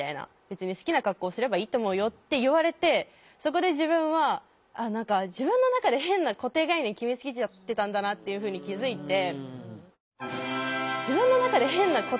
「別に好きな格好すればいいと思うよ」って言われてそこで自分は「自分のなかで変な固定概念決めつけちゃってたんだな」っていうふうに気付いて。